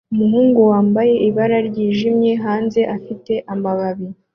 Umuhungu wambaye ibara ryijimye hanze afite amababi